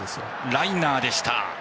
ライナーでした。